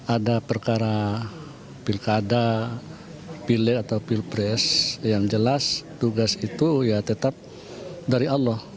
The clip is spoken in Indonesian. ada perkara pilkada pilih atau pilpres yang jelas tugas itu ya tetap dari allah